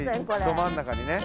ど真ん中にね。